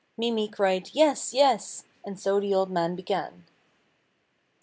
Mimi cried 'Yes, yes!' and so the old man began.